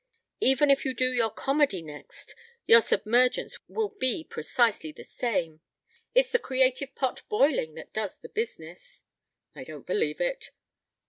Even if you do your comedy next your submergence will be precisely the same. It's the creative pot boiling that does the business." "I don't believe it."